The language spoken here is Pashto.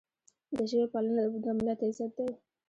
د ژبې پالنه د ملت عزت دی.